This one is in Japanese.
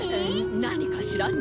なにかしらね？